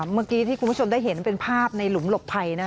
เมื่อกี้ที่คุณผู้ชมได้เห็นเป็นภาพในหลุมหลบภัย